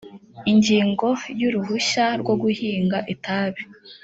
ingingo ya uruhushya rwo guhinga itabi